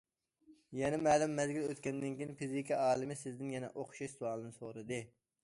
يەنە مەلۇم مەزگىل ئۆتكەندىن كېيىن، فىزىكا ئالىمى سىزدىن يەنە ئوخشاش سوئالنى سورىدى.